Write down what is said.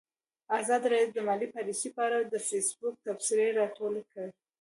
ازادي راډیو د مالي پالیسي په اړه د فیسبوک تبصرې راټولې کړي.